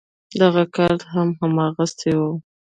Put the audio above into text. دغه کارت هم هماغسې و.